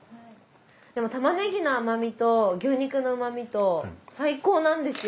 でもタマネギの甘みと牛肉の旨みと最高なんですよ